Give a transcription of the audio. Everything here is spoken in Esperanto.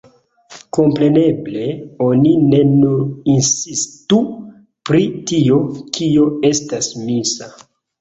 Kompreneble, oni ne nur insistu pri tio, kio estas misa.